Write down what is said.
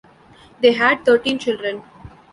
They had thirteen children.